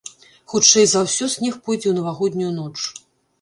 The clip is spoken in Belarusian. Хутчэй за ўсё, снег пойдзе ў навагоднюю ноч.